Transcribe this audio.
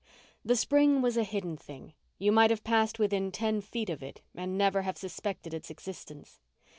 The spring was a hidden thing. You might have passed within ten feet of it and never have suspected its existence.